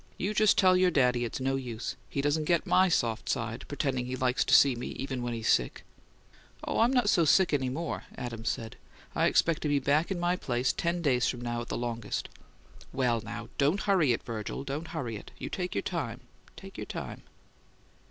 You just tell your daddy it's no use; he doesn't get on MY soft side, pretending he likes to see me even when he's sick." "Oh, I'm not so sick any more," Adams said. "I expect to be back in my place ten days from now at the longest." "Well, now, don't hurry it, Virgil; don't hurry it. You take your time; take your time."